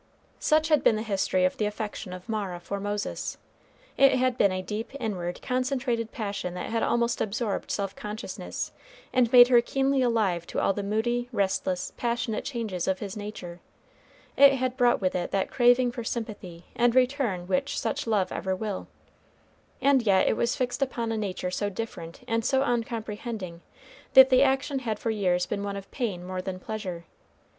Such had been the history of the affection of Mara for Moses. It had been a deep, inward, concentrated passion that had almost absorbed self consciousness, and made her keenly alive to all the moody, restless, passionate changes of his nature; it had brought with it that craving for sympathy and return which such love ever will, and yet it was fixed upon a nature so different and so uncomprehending that the action had for years been one of pain more than pleasure.